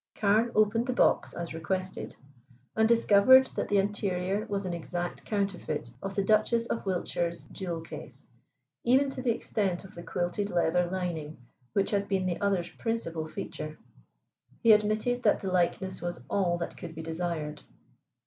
Carne opened the box as requested, and discovered that the interior was an exact counterfeit of the Duchess of Wiltshire's jewel case, even to the extent of the quilted leather lining which had been the other's principal feature. He admitted that the likeness was all that could be desired.